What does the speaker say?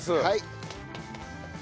はい。